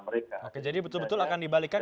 mereka oke jadi betul betul akan dibalikan